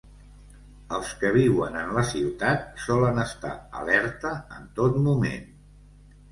Els que viuen en la ciutat, solen estar alerta en tot moment.